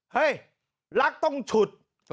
เฮ้ยลักษณ์ต้องฉุด